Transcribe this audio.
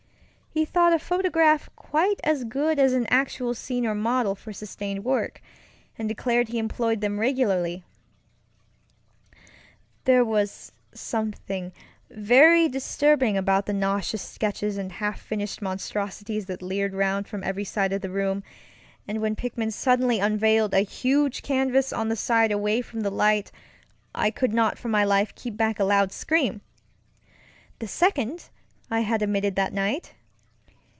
He thought a photograph quite as good as an actual scene or model for sustained work, and declared he employed them regularly. There was something very disturbing about the nauseous sketches and half finished monstrosities that leered around from every side of the room, and when Pickman suddenly unveiled a huge canvas on the side away from the light I could not for my life keep back a loud screamŌĆöthe second I had emitted that night.